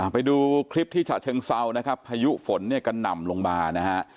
ไปดูคลิปที่ฉะเชิงเซานะครับพายุฝนเนี่ยกระหน่ำลงมานะฮะ